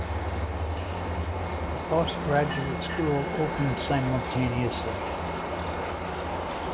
The postgraduate school opened simultaneously.